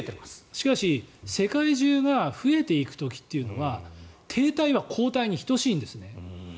しかし、世界中が増えていく時というのは停滞は後退に等しいんですね。